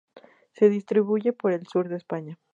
Se distribuye por el sur de España.